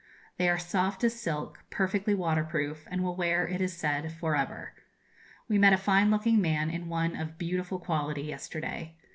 They are soft as silk, perfectly waterproof, and will wear, it is said, for ever. We met a fine looking man in one of beautiful quality yesterday.